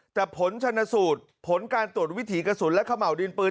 แต่ผลชนสูตรผลการตรวจวิถีกระสุนและขม่าวดินปืน